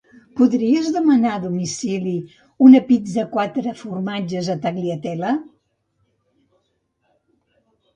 Podries demanar a domicili una pizza quatre formatges a la Tagliatella?